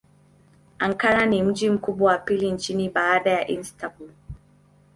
Ankara ni mji mkubwa wa pili nchini baada ya Istanbul.